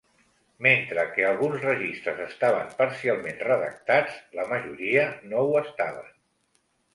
Mentre que alguns registres estaven parcialment redactats, la majoria no ho estaven.